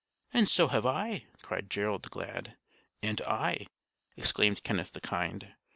"And so have I," cried Gerald the Glad. "And I," exclaimed Kenneth the Kind.